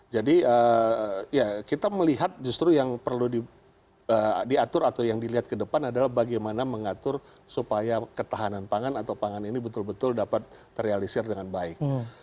jadi ya kita melihat justru yang perlu diatur atau yang dilihat ke depan adalah bagaimana mengatur supaya ketahanan pangan atau pangan ini betul betul dapat terrealisir dengan baik